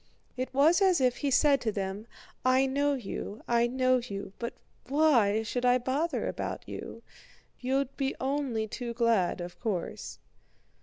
It was as if he said to them: "I know you, I know you, but why should I bother about you? You'd be only too glad, of course."